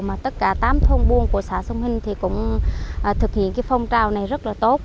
mà tất cả tám thông buôn của xã sông hinh thì cũng thực hiện cái phong trào này rất là tốt